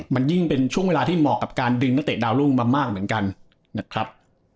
มันยิ่งเป็นช่วงเวลาที่เหมาะกับการดึงนักเตะดาวรุ่งมามากเหมือนกันนะครับ